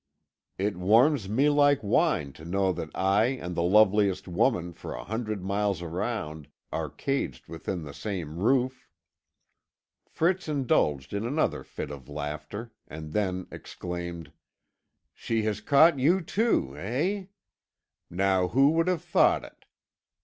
"It warms me like wine to know that I and the loveliest woman for a hundred miles round are caged within the same roof." Fritz indulged in another fit of laughter, and then exclaimed: "She has caught you too, eh? Now, who would have thought it?